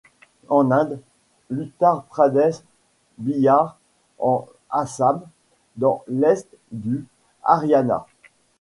En Inde: l'Uttar Pradesh, Bihar, en Assam, dans l'est du Haryana.